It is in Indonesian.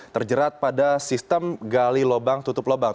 terjerat pada sistem gali lubang tutup lubang